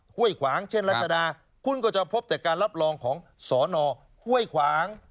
ห้วยขวางเช่นรัชดาคุณก็จะพบแต่การรับรองของสอนอห้วยขวาง